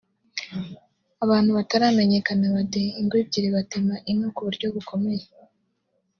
Abantu bataramenyekana bateye ingo ebyiri batema inka ku buryo bukomeye